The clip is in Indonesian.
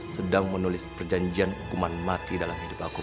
sedang menulis perjanjian hukuman mati dalam hidup aku